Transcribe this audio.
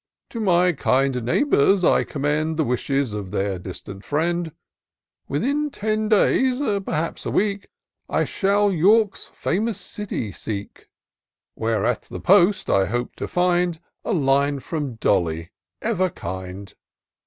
To my kind neighbours I commend The wishes of their distant friend : Within ten days, perhaps a week, I shall York's famous city seek. Where, at the post, I hope to find A line from Dolly, ever kind.